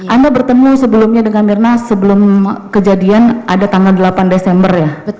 anda bertemu sebelumnya dengan mirna sebelum kejadian ada tanggal delapan desember ya